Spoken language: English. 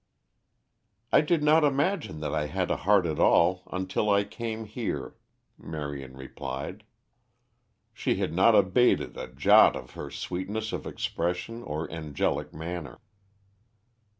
"I did not imagine that I had a heart at all until I came here," Marion replied. She had not abated a jot of her sweetness of expression or angelic manner.